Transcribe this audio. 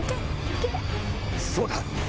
そうだ！